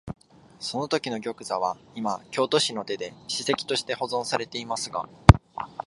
そのときの玉座は、いま京都市の手で史跡として保存されていますが、